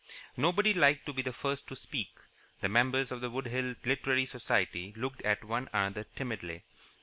Nobody liked to be the first to speak. The members of the Wood Hills Literary Society looked at one another timidly.